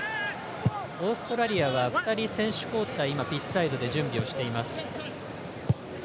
オーストラリアは２人選手交代、ピッチサイドで準備をしています。